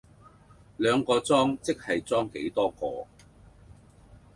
兩個裝即係裝幾多個